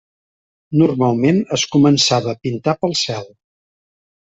Normalment es començava a pintar pel cel.